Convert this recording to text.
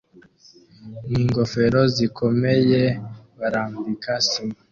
ningofero zikomeye barambika sima